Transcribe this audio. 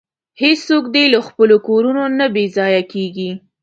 هیڅوک دې له خپلو کورونو نه بې ځایه کیږي.